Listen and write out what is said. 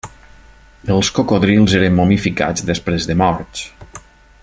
Els cocodrils eren momificats després de morts.